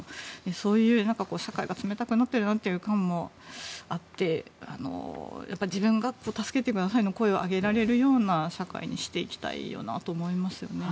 そういう、社会が冷たくなっているなという感もあって自分が助けてくださいの声を上げられるような社会にしていきたいよなと思いますよね。